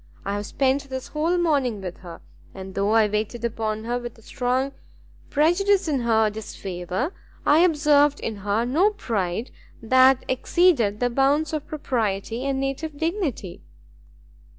I have spent this whole morning with her, and though I waited upon her with a strong prejudice in her disfavour, I observed in her no pride that exceeded the bounds of propriety and native dignity."